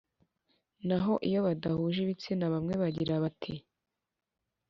na ho iyo badahuje ibitsina, bamwe bagira ba ti: